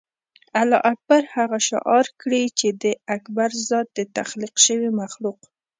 الله اکبر هغه شعار کړي چې د اکبر ذات د تخلیق شوي مخلوق.